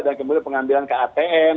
dan kemudian pengambilan ke atm